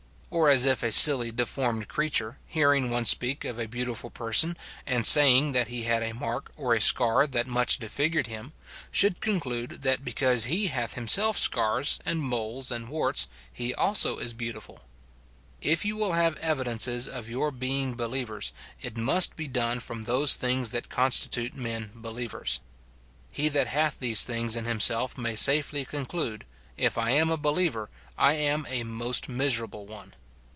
Or as if a silly, deformed creature, hear ing one speak of a beautiful person, and saying that he had a mark or a scar that much disfigured him ; should conclude that because he hath himself scars, and moles, and warts, he also is beautiful. If you will have evi SIN IN BELIEVERS. 233 dences of your being believers, it' must be done from those tilings that constitute men believers. He that hath these things in himself may safely conclude, " If I am a believer, I am a most miserable one."